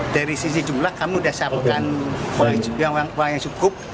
dari sisi jumlah kami sudah siapkan uang yang cukup